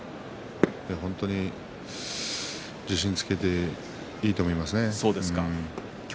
本当に自信をつけていいと思いますね。